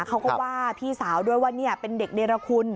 เขาก็ว่าพี่สาวด้วยว่าเป็นเด็กเนรคุณ